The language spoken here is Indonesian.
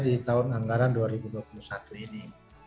di tahun anggaran dua ribu dua puluh satu ini